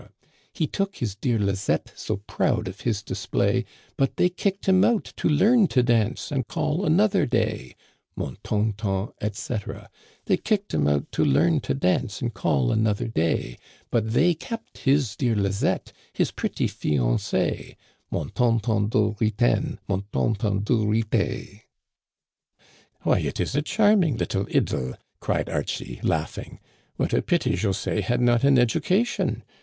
He took his dear Lizett*, so proud of his display ; But they kicked him out to leara to dance, and call another day : Mon ton ton, etc. Digitized by VjOOQIC A SUPPER. 97 " They kicked him out to learn to dance, and call another day ; But they kept his dear Lizett', his pretty fiancée : Mon ton ton de ritaine, mon ton ton de rite." " Why, it is a charming little idyl I " cried Archie, laughing. "What a pity José had not an education!